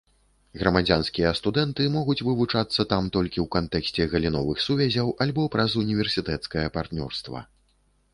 Грамадзянскія студэнты могуць вывучацца там толькі ў кантэксце галіновых сувязяў альбо праз універсітэцкае партнёрства.